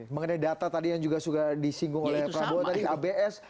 mengenai data tadi yang juga sudah disinggung oleh prabowo tadi kbs